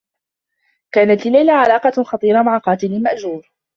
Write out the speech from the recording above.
كانت لليلى علاقة خطيرة مع قاتل مأجور.